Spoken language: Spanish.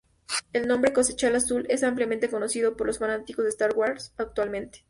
El nombre "Cosecha azul" es ampliamente conocido por los fanáticos de "Star Wars" actualmente.